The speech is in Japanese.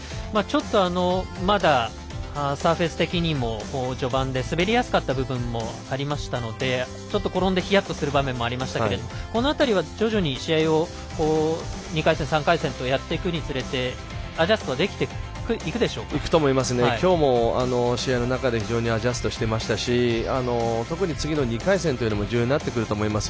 まだサーフェス的にも序盤で滑りやすかった部分もありましたのでちょっと転んでヒヤッとする場面もありましたけれどもこの辺りは徐々に試合を２回戦、３回戦とやっていくにつれてきょうも試合の中で非常にアジャストしてましたし特に次の２回戦というのも重要になってくると思います。